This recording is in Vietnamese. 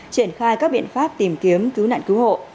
triển khai các biện pháp tìm kiếm cứu nạn cứu hộ